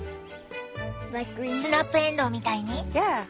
スナップエンドウみたいに？